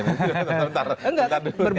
nanti bentar bentar dulu ya